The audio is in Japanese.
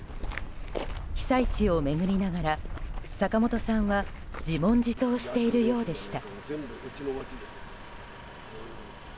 被災地を巡りながら坂本さんは自問自答しているようでした。